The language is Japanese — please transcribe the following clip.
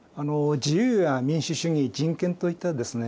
自由や民主主義人権といったですね